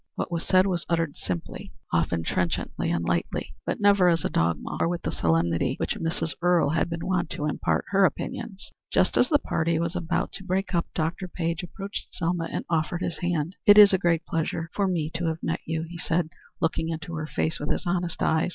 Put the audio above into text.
What was said was uttered simply, often trenchantly and lightly, but never as a dogma, or with the solemnity which Mrs. Earle had been wont to impart to her opinions. Just as the party was about to break up, Dr. Page approached Selma and offered her his hand. "It is a great pleasure to me to have met you," he said, looking into her face with his honest eyes.